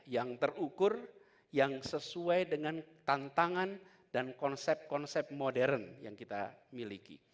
yang terukur yang sesuai dengan tantangan dan konsep konsep modern yang kita miliki